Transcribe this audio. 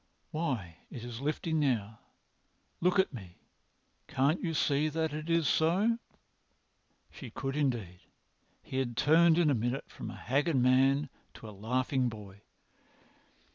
Why, it is lifting now. Look at me! Can't you see that it is so?" She could indeed. He had turned in a minute from a haggard man to a laughing boy.